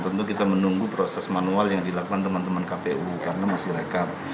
tentu kita menunggu proses manual yang dilakukan teman teman kpu karena masih rekat